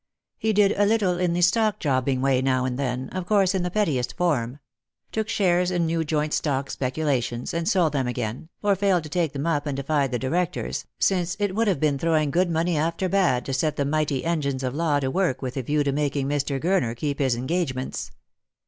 He did a little in the stock jobbing way now and then — of course in the pettiest form — took shares in new joint stock speculations and sold them again, or failed to take them up and defied the directors, since it would have been throwing good money after bad to set the mighty engines of law to work with a view to making Mr. Gurner keep his engagements.